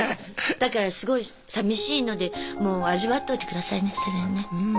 だからすごいさみしいのでもう味わっといてくださいねそれね。